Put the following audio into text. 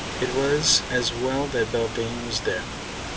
It was as well that Belvane was there.